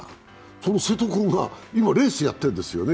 その瀬戸君が今、レースをやってるんですよね。